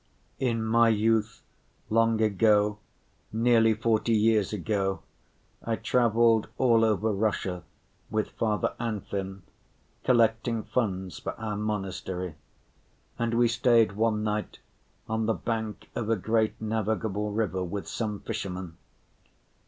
In my youth, long ago, nearly forty years ago, I traveled all over Russia with Father Anfim, collecting funds for our monastery, and we stayed one night on the bank of a great navigable river with some fishermen.